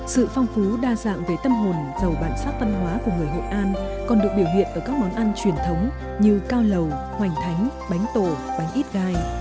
sự phong phú đa dạng về tâm hồn giàu bản sắc văn hóa của người hội an còn được biểu hiện ở các món ăn truyền thống như cao lầu hoành thánh bánh tổ bánh ít gai